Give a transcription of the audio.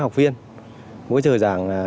học viên mỗi giờ giảng